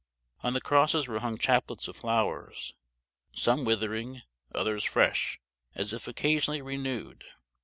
On the crosses were hung chaplets of flowers, some withering others fresh, as if occasionally renewed.